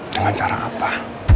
dengan cara apa